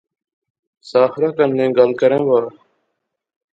ساحرہ کنے گل کرے وہا